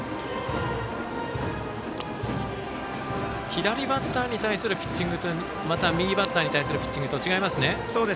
左バッターに対するピッチングとまた右バッターに対するピッチングと違いますね。